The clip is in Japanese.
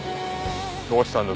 どうしたんだ？